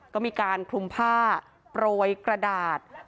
ก็มีการคลุมผ้าโปรยกระดาษ